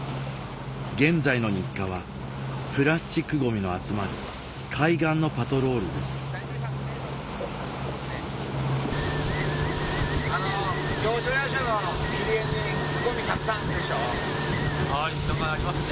現在の日課はプラスチックゴミの集まる海岸のパトロールですありますね。